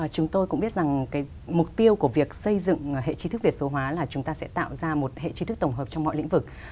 chúng tôi cũng biết rằng mục tiêu của việc xây dựng hệ trí thức việt số hóa là chúng ta sẽ tạo ra một hệ trí thức tổng hợp trong mọi lĩnh vực